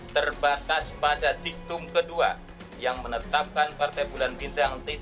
terbatas pada diktum kedua yang menetapkan partai bulan bintang tiga